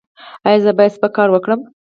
ایا زه باید سپک کار وکړم؟